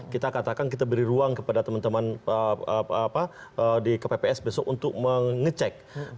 kita katakan kita beri ruang kepada teman teman di kpps besok untuk mengecek